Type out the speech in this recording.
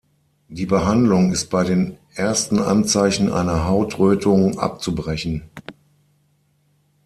Die Behandlung ist bei den ersten Anzeichen einer Hautrötung abzubrechen.